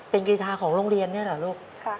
เป็นกรีธาของโรงเรียนนี่เหรอลูก